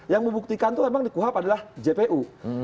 yang membuktikan itu memang di kuhap adalah jpu